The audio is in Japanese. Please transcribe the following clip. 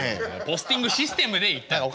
ポスティングシステムで行ったの。